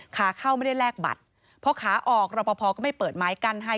ขาเข้าไม่ได้แลกบัตรพอขาออกรอปภก็ไม่เปิดไม้กั้นให้